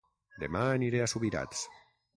Dema aniré a Subirats